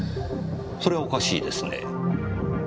それはおかしいですね。